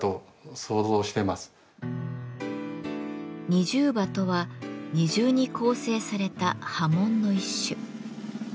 二重刃とは二重に構成された刃文の一種。